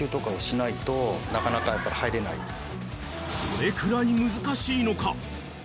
［どれくらい難しいのか］